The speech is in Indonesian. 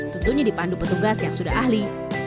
tentunya dipandu petugas yang sudah ahli